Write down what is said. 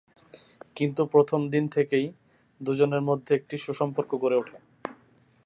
কিন্তু প্রথম দিন থেকেই দু’জনের মধ্যে একটি সুসম্পর্ক গড়ে ওঠে।